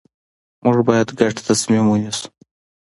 موږ باید ګډ تصمیم ونیسو